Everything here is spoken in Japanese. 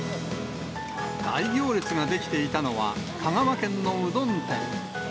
大行列が出来ていたのは、香川県のうどん店。